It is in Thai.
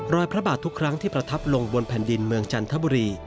พระบาททุกครั้งที่ประทับลงบนแผ่นดินเมืองจันทบุรี